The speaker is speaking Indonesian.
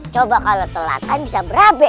coba kalau telatan bisa berabe